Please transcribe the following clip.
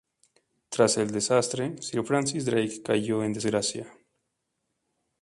Tras el desastre, "sir" Francis Drake cayó en desgracia.